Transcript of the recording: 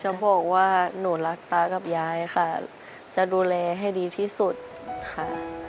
จะบอกว่าหนูรักตากับยายค่ะจะดูแลให้ดีที่สุดค่ะ